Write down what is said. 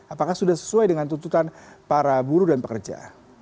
apakah sudah sesuai dengan tuntutan para buruh dan pekerja